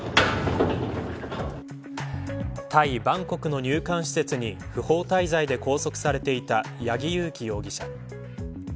タイ・バンコクの入管施設に不法滞在で拘束されていた八木佑樹容疑者。